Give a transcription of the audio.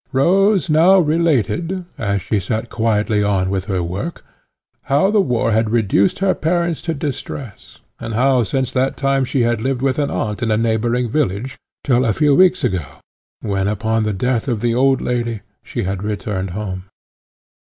Rose now related as she quietly went on with her work how the war had reduced her parents to distress, and how since that time she had lived with an aunt in a neighbouring village, till a few weeks ago, when upon the death of the old lady, she had returned home.